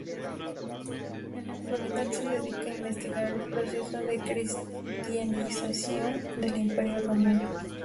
En la actualidad se dedica a investigar el proceso de cristianización del Imperio Romano.